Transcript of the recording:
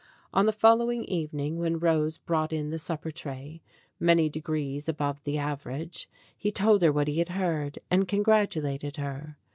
On the following evening, when Rose brought in the supper tray, many degrees above the average, he told her what he had heard, and congratulated her.